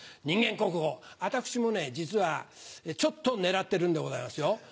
人間国宝私もね実はちょっと狙ってるんでございますよ。